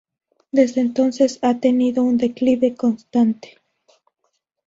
Desde entonces ha tenido un declive constante.